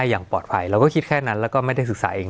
สวัสดีครับทุกผู้ชม